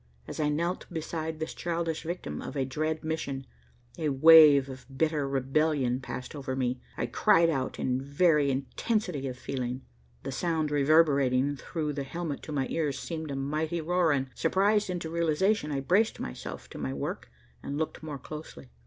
As I knelt beside this childish victim of a dread mission, a wave of bitter rebellion passed over me. I cried out in very intensity of feeling. The sound reverberating through the helmet to my ears seemed a mighty roar, and, surprised into realization, I braced myself to my work and looked more closely.